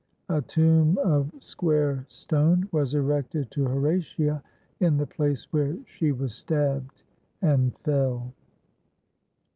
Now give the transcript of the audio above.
A tomb of square stone was erected to Horatia in the place where she was stabbed and fell.